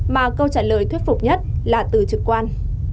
mà câu trả lời thuyết phục nhất là từ trực quan